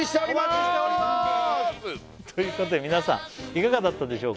お待ちしておりまーす！ということで皆さんいかがだったでしょうか？